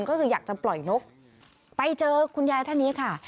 ก็คืออยากจะปล่อยนกไปเจอคุณยายท่านนี้ค่ะ